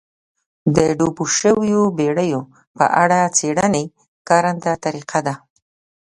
د ډوبو شویو بېړیو په اړه څېړنې کارنده طریقه ده